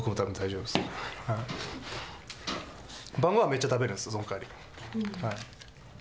晩ご飯めっちゃ食べるんですその代わり。